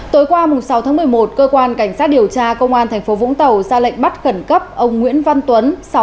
tối qua sáu tháng một mươi một cơ quan cảnh sát điều tra công an tp vũng tàu ra lệnh bắt khẩn cấp ông nguyễn văn tuấn